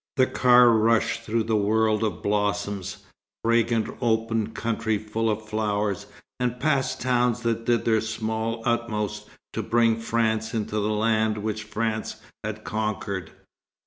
The car rushed through a world of blossoms, fragrant open country full of flowers, and past towns that did their small utmost to bring France into the land which France had conquered.